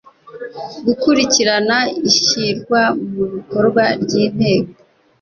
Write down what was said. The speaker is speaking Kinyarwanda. gukurikirana ishyirwa mu bikorwa ry intego